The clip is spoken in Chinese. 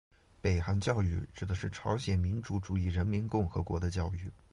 北韩教育指的是朝鲜民主主义人民共和国的教育。